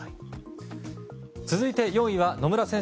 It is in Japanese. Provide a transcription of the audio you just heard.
続いて、４位は野村先生